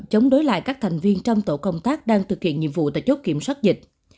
chống đối lại các thành viên trong tổ công tác đang thực hiện nhiệm vụ tại chốt kiểm soát dịch